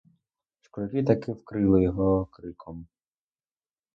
Школярі так і вкрили його криком.